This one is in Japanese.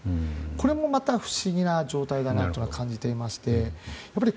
これもまた不思議な状態だなと感じていましてやはり